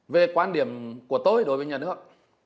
về quan điểm của tôi đối với nhà nước